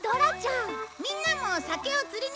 みんなも酒を釣りに行こうよ！